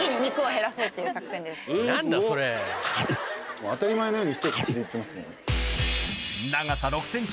もう当たり前のようにひと口でいってますもん。